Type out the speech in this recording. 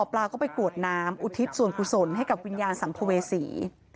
ปลาก็ไปกรวดน้ำอุทิศส่วนกุศลให้กับวิญญาณสัมภเวษี